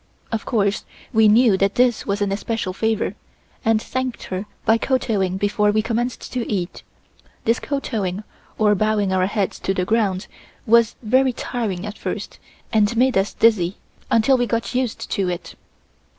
Of course, we knew that this was an especial favor, and thanked her by kowtowing before we commenced to eat. This kowtowing, or bowing our heads to the ground, was very tiring at first and made us dizzy, until we got used to it.